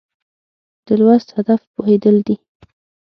د لوست هدف پوهېدل دي.